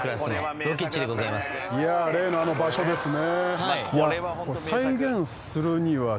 例のあの場所ですね。